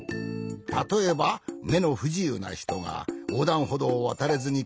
たとえばめのふじゆうなひとがおうだんほどうをわたれずにこまっているとしよう。